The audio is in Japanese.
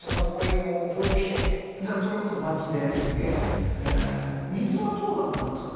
じゃあそれこそどうだったんですか？